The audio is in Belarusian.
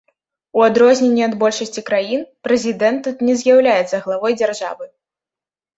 У адрозненне ад большасці краін, прэзідэнт тут не з'яўляецца главой дзяржавы.